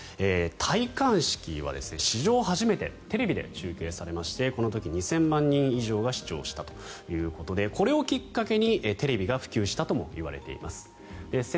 戴冠式は史上初めてテレビで中継されましてこの時、２０００万人以上が視聴したということでこれをきっかけにテレビが普及したとも言われています。